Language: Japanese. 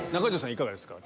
いかがですか？